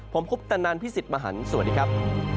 ผมคุปตะนันพี่สิทธิ์มหันฯสวัสดีครับ